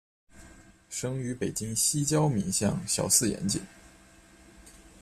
生于北京西郊民巷小四眼井。